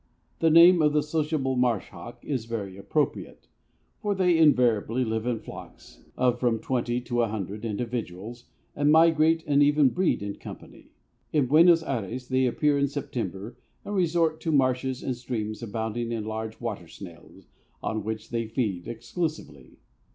"The name of the Sociable Marsh Hawk is very appropriate, for they invariably live in flocks of from twenty to a hundred individuals and migrate and even breed in company. In Buenos Ayres they appear in September and resort to marshes and streams abounding in large water snails, on which they feed exclusively."